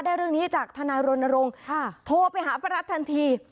เรื่องนี้จากทนายรณรงค์โทรไปหาป้ารัฐทันที